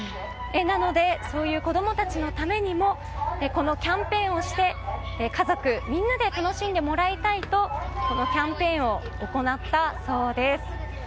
なのでそういう子供たちのためにもこのキャンペーンをして家族みんなで楽しんでもらいたいとこのキャンペーンを行ったそうです。